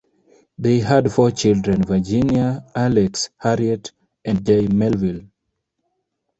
They had four children: Virginia; Alex; Harriet; and J. Melville.